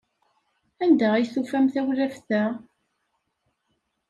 Anda ay tufam tawlaft-a?